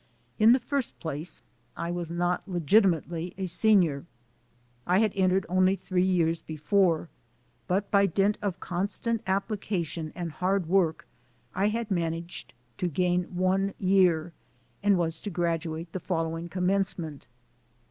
In the first place I was not legitimately a senior. I had entered only three years before, but by dint of constant application and hard work I had man aged to gain one year and was to graduate the fol lowing Commencement.